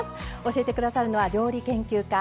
教えて下さるのは料理研究家